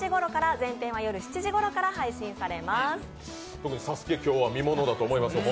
特に「ＳＡＳＵＫＥ」、今日は見物だと思いますよ。